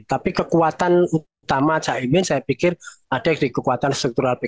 tapi kekuatan utama caimin saya pikir ada di kekuatan struktural pkb